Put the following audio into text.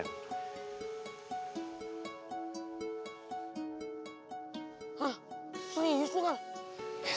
hah serius lu kal